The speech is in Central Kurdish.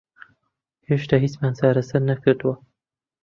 هێشتا هیچمان چارەسەر نەکردووە.